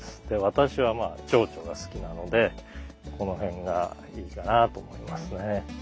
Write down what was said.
私はチョウチョが好きなのでこの辺がいいかなと思いますね。